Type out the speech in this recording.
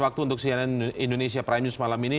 waktu untuk cnn indonesia prime news malam ini